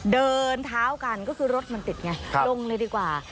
เดินเท้ากันก็คือรถมันติดไงลงเลยดีกว่า